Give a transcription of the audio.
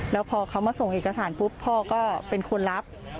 แล้วพอเขามาส่งเอกสารปุ๊บพ่อก็เป็นคนรับ